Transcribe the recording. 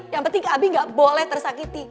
yang penting abi gak boleh tersakiti